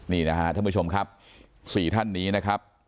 นี่นะครับท่านผู้ชมครับ๔ท่านนี้นะครับ